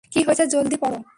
কী হয়েছে জলদি পড়ো?